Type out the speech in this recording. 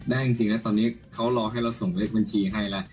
จริงแล้วตอนนี้เขารอให้เราส่งเลขบัญชีให้แล้ว